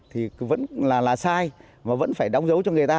thì vẫn là sai và vẫn phải đóng dấu cho người ta